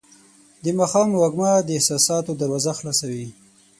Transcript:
د ماښام وږمه د احساساتو دروازه خلاصوي.